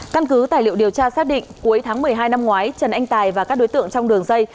căn cứ tài liệu điều tra xác định cuối tháng một mươi hai năm ngoái trần anh tài và các đối tượng trong đường dây